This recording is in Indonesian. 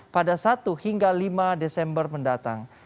pada satu hingga lima desember mendatang